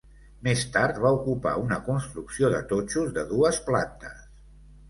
Més tard, va ocupar una construcció de totxos de dues plantes.